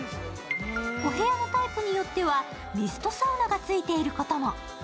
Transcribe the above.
お部屋のタイプによってはミストサウナが付いていることも。